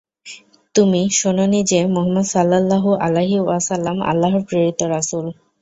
তুমি শোননি যে, মুহাম্মাদ সাল্লাল্লাহু আলাইহি ওয়াসাল্লাম-আল্লাহর প্রেরিত রাসূল!